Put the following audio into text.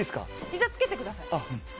ひざもつけてください。